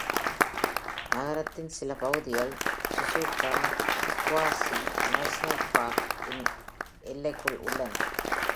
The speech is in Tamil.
நகரத்தின் சில பகுதிகள், Suzuka Quasi-National Park இன் எல்லைக்குள் உள்ளன.